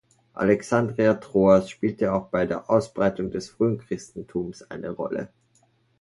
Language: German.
Alexandria Troas spielte auch bei der Ausbreitung des frühen Christentums eine Rolle.